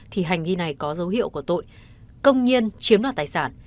thì hành vi này có dấu hiệu của tội công nhiên chiếm đoạt tài sản